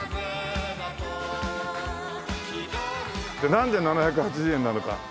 なんで７８０円なのか。